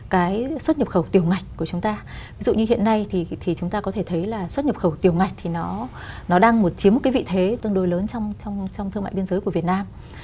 cái xuất nhập khẩu tiều ngạch của chúng ta ví dụ như hiện nay thì chúng ta có thể thấy là xuất nhập khẩu tiều ngạch thì nó đang chiếm một cái vị thế tương đối lớn trong thương mại biên giới của việt nam